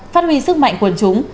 phát huy sức mạnh quân chúng